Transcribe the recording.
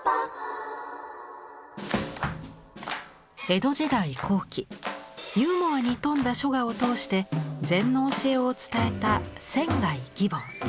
江戸時代後期ユーモアに富んだ書画を通して禅の教えを伝えた仙義梵。